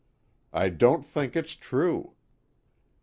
I don't think it's true.